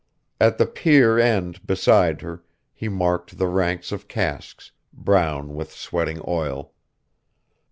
At the pier end beside her, he marked the ranks of casks, brown with sweating oil.